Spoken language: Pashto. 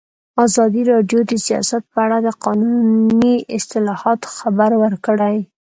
ازادي راډیو د سیاست په اړه د قانوني اصلاحاتو خبر ورکړی.